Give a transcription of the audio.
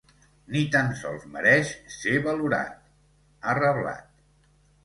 Ni tan sols mereix ser valorat, ha reblat.